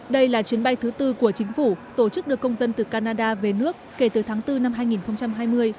đây là chuyến bay thứ tư của chính phủ tổ chức đưa công dân từ canada về nước kể từ tháng bốn năm hai nghìn hai mươi